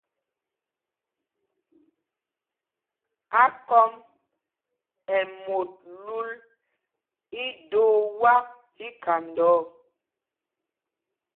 Ákɔm ɛ́ mot lul ídoo wak tí khanda ɔ.